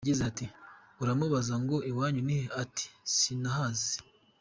Yagize ati : "Uramubaza ngo iwanyu ni he ? Ati :’sinahazi.